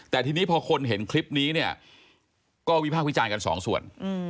แต่ทีนี้พอคนเห็นคลิปนี้เนี่ยก็วิพากษ์วิจารณ์กันสองส่วน